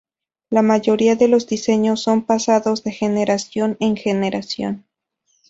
La mayoría de los diseños son pasados de generación en generación.